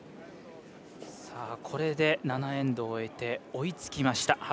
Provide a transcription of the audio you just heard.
これで７エンドを終えて追いつきました。